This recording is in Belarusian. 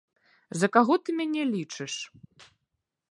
За каго ты мяне лічыш?